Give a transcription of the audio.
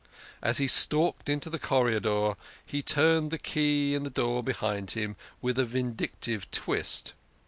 As he stalked into the corridor he turned the key in the door behind him with a vindictive twist.